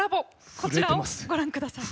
こちらをご覧ください。